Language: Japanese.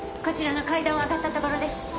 こちらの階段を上がったところです。